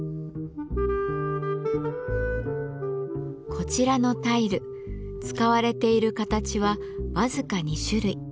こちらのタイル使われている形は僅か２種類。